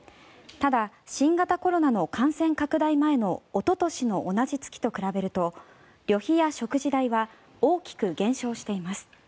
ただ、新型コロナの感染拡大前のおととしの同じ月と比べると旅費や食事代は大きく減少しています。